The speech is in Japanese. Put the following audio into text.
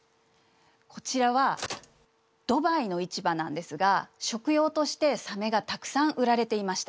こちらはドバイの市場なんですが食用としてサメがたくさん売られていました。